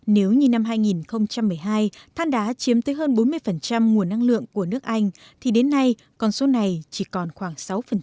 nếu như năm hai nghìn một mươi hai than đá chiếm tới hơn bốn mươi nguồn năng lượng của nước anh thì đến nay con số này chỉ còn khoảng sáu